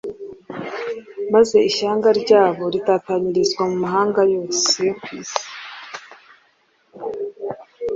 maze ishyanga ryabo ritatanyirizwa mu mahanga yose yo ku isi.